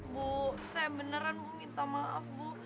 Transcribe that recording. bu saya beneran mau minta maaf bu